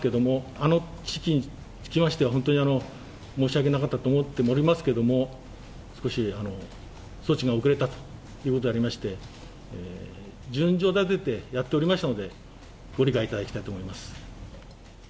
あの地域につきましては、本当に申し訳なかったと思っておりますけれども、少し措置が遅れたということでありまして、順序立ててやっておりましたので、ご理解いただきたいと思います。